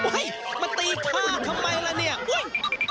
เฮ้ยมาตีข้าทำไมล่ะเนี่ย